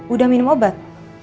udah minum obat